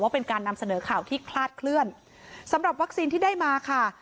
พลาดเคลื่อนสำหรับวัคซีนที่ได้มาค่ะ